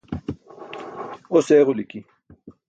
Os eġuliki.